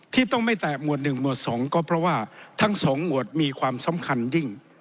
ที่ต้องไม่แตะหมวด๑หมวด๒ก็เพราะว่าทั้งสองหมวดมีความสำคัญยิ่ง